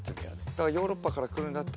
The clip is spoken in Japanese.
だからヨーロッパから来るんだったら。